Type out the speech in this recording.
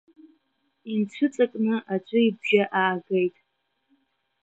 Инцәыҵакны аӡәы ибжьы аагеит.